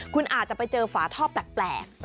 คุณอาจจะไปเจอฝาท่อแปลก